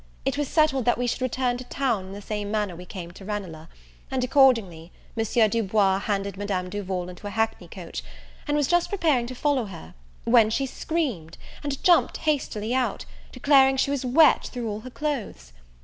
It was settled that we should return to town in the same manner we came to Ranelagh; and, accordingly, Monsieur Du Bois handed Madame Duval into a hackney coach, and was just preparing to follow her, when she screamed, and jumped hastily out, declaring she was wet through all her clothes.